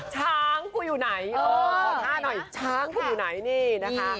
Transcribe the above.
ช้างกูอยู่ไหนขอท่าหน่อยช้างกูอยู่ไหนนี่นะคะ